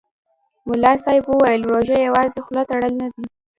ملا صاحب ویل: روژه یوازې خوله تړل نه دي.